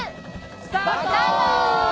スタート！